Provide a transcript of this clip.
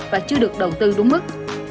và chưa được đầu tư đúng mức